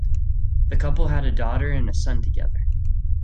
The couple had a daughter and a son together.